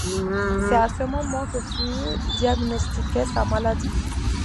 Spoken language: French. C'est à ce moment que fut diagnostiquée sa maladie.